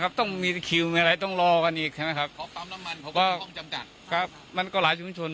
อับน้ำตรงนี้ได้